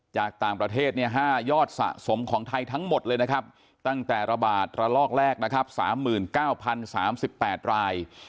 จากต่างประเทศ๕ยอดสะสมของไทยทั้งหมดเลยนะครับตั้งแต่ระบาดระลอกแรกนะครับ๓๙๐๓๘ราย